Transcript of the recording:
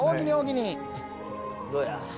どうや？